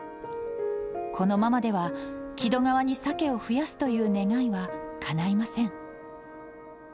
このままでは木戸川にサケを増やすという願いはかないません。